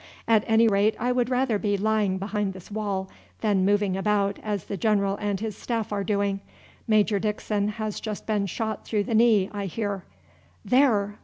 At any rate I would rather be lying behind this wall than moving about as the general and his staff are doing. Major Dickson has just been shot through the knee, I hear. There!